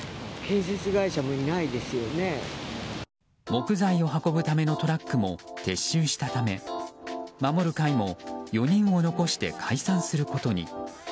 木材を運ぶためのトラックも撤収したため守る会も４人を残して解散することに。